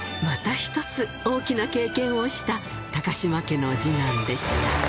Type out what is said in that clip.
また一つ、大きな経験をした高嶋家の次男でした。